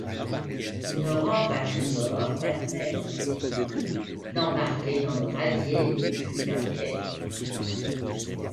Une rampe à tribord permet aux véhicules d'embarquer dans le radier depuis un quai.